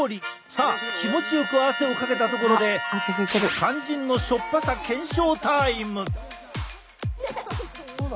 さあ気持ちよく汗をかけたところで肝心の塩っぱさ検証タイム！